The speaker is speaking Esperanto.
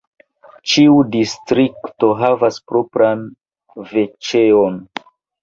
Ĉiu distrikto havas propran veĉeon.